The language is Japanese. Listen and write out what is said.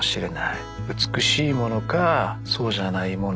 美しいものかそうじゃないものか。